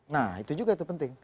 nah itu juga itu penting